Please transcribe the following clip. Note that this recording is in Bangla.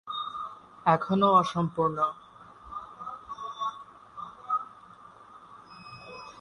এখনও অসম্পূর্ণ।